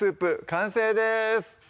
完成です